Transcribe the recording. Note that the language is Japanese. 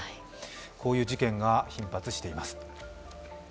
こういう事件が頻発しています。